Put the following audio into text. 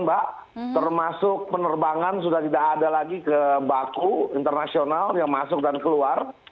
mbak termasuk penerbangan sudah tidak ada lagi ke baku internasional yang masuk dan keluar